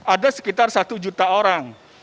ada sekitar satu juta orang